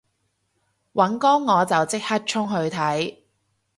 尹光我就即刻衝去睇